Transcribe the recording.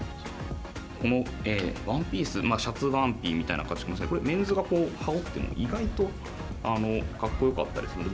このワンピース、シャツワンピみたいな形で、これ、メンズが羽織っても、意外とかっこよかったりするので。